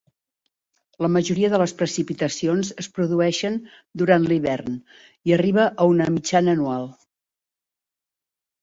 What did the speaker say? La majoria de les precipitacions es produeixen durant l'hivern i arriba a una mitjana anual.